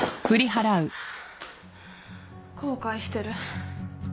後悔してる。